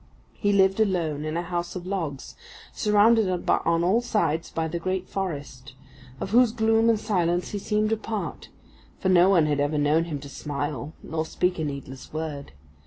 He lived alone in a house of logs surrounded on all sides by the great forest, of whose gloom and silence he seemed a part, for no one had ever known him to smile nor speak a needless word.